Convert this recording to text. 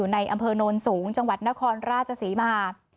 ในอำเภอโนนสูงจังหวัดนครราชศรีมา